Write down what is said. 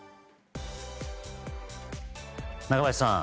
中林さん